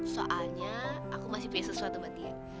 soalnya aku masih punya sesuatu mbak tia